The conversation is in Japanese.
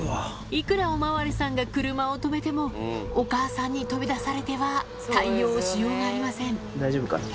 いくらおまわりさんが車を止めてもお母さんに飛び出されては対応しようがありません大丈夫かな。